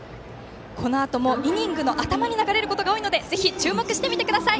このあともイニングの頭に流れることが多いのでぜひ注目してみてください。